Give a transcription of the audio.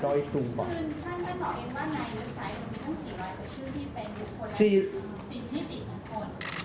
คุณท่านก็บอกเองว่าในเนื้อไซส์มันมีทั้ง๔๐๐ชื่อที่เป็นบุคคลและสิทธิส่วนบุคคลของคน